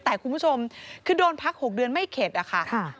แต่คุณผู้ชมคือโดนพัก๖เดือนไม่เข็ดอะค่ะ